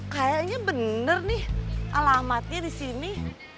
kayaknya bener nih alamatnya di sini